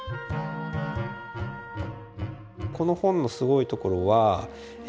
この本のすごいところはえ